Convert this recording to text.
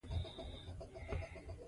د شاعر خیالونه ژور پیغامونه لري.